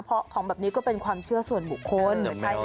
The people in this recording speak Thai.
เพราะของแบบนี้ก็เป็นความเชื่อส่วนบุคคล